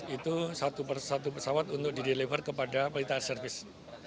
dua ribu sembilan belas itu satu persatu pesawat untuk dideliver kepada pelita air service